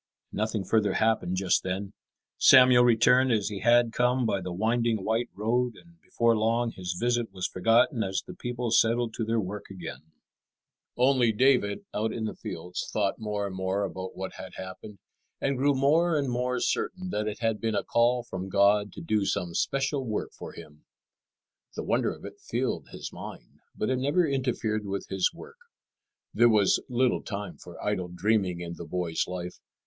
Nothing further happened just then. Samuel returned as he had come by the winding white road, and before long his visit was forgotten as the people settled to their work again. [Illustration: Saul tries to kill David] Only David, out in the fields, thought more and more about what had happened, and grew more and more certain that it had been a call from God to do some special work for Him. The wonder of it filled his mind, but it never interfered with his work. There was little time for idle dreaming in the boy's life.